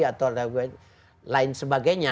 atau lain sebagainya